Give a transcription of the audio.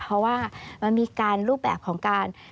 เพราะว่ามันมีการรูปแบบของการ